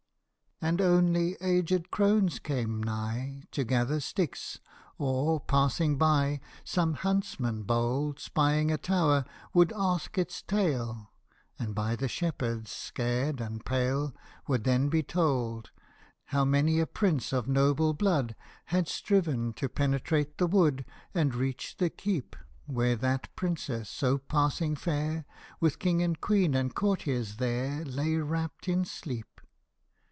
And only aged crones came nigh To gather sticks ; or, passing by, Some huntsman bold, Spying a tower, would ask its tale, And by the shepherds scared and pale Would then be told How many a prince of noble blood Had striven to penetrate the wood, And reach the keep Where that Princess so passing fair, With King and Queen and courtiers there, Lay wrapt in sleep.